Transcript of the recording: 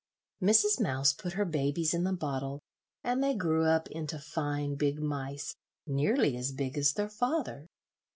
Mrs. Mouse put her babies in the bottle, and they grew up into fine big mice, nearly as big as their father.